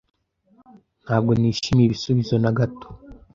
Ntabwo nishimiye ibisubizo na gato.